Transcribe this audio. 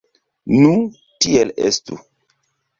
Nu, tiel estu.